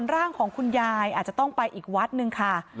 ร่างของคุณยายอาจจะต้องไปอีกวัดหนึ่งค่ะ